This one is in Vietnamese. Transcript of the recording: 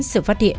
sự phát hiện